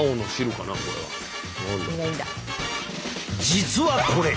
実はこれ。